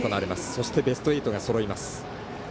そしてベスト８がそろいます。